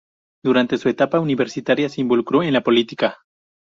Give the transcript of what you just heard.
Durante su etapa universitaria se involucró en política.